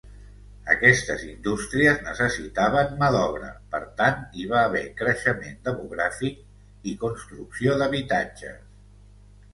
Aquestes indústries necessitaven mà d'obra, per tant hi va haver creixement demogràfic i construcció d'habitatges.